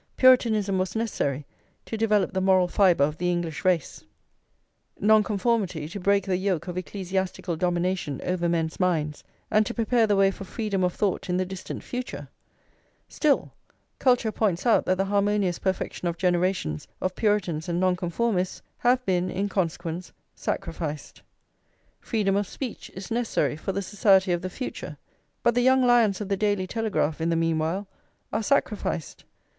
Puritanism was necessary to develop the moral fibre of the English race, Nonconformity to break the yoke of ecclesiastical domination over men's minds and to prepare the way for freedom of thought in the distant future; still, culture points out that the harmonious perfection of generations of Puritans and Nonconformists have been, in consequence, sacrificed. Freedom of speech is necessary for the society of the future, but the young lions of the Daily Telegraph in the meanwhile are sacrificed.